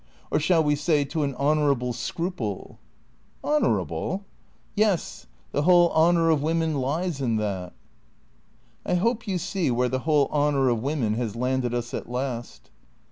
Or shall we say to an honour able scruple ?"" Honourable ?"" Yes. The whole honour of women lies in that." " I hope you see where the whole honour of women has landed us at last."